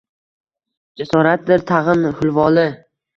Jasoratdir tagʼin hulvoli